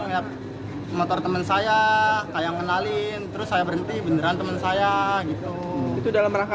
lihat motor temen saya kayak kenalin terus saya berhenti beneran temen saya gitu itu dalam rangka